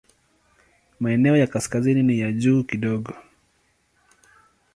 Maeneo ya kaskazini ni ya juu kidogo.